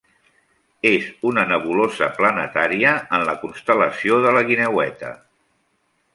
És una nebulosa planetària en la constel·lació de la Guineueta.